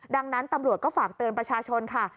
ดังนั้นตำรวจก็ฝากเตือนประชาชนค่ะ